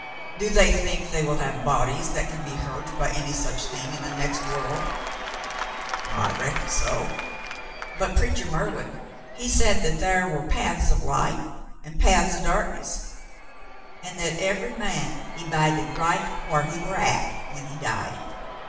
*'Do they think they will have bodies that can be hurt by any such thing in the next world .f^" "I reckon so. But preacher Merlin, he said that thar war paths o' light an' paths o' darkness, an' that eve'y man he 'bided right whar he war at when he died.